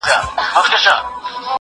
هغه څوک چي کالي وچوي منظم وي